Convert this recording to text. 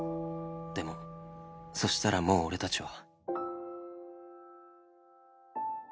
でもそしたらもう俺たちは